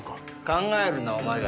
考えるなお前が。